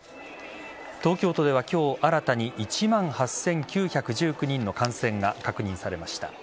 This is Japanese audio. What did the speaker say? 東京都では今日は新たに１万８９１９人の感染が確認されました。